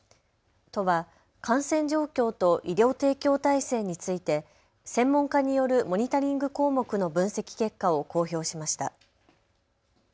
都は感染状況と医療提供体制について専門家によるモニタリング項目の分析結果を公表しました。